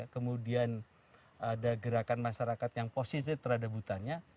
kemudian ada gerakan masyarakat yang positif terhadap hutannya